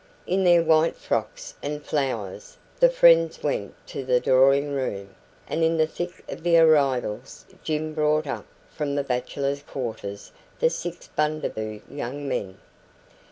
In their white frocks and flowers, the friends went to the drawing room, and in the thick of the arrivals Jim brought up from the bachelors' quarters the six Bundaboo young men.